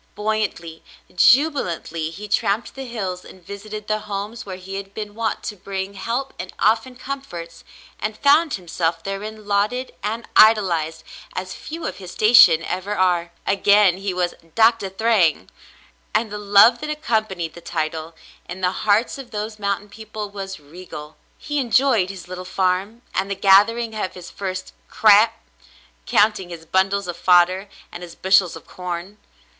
Buoyantly, jubilantly, he tramped the hills and visited the homes where he had been wont to bring help and often comforts, and found himself therein lauded and idolized as few of his station ever are. " Again he was "Doctah Thryng," and the love that accompanied the title, in the hearts of those mountain people, was regal. He enjoyed his little farm, and the gathering of his first "crap," counting his bundles of fodder and his bushels of corn.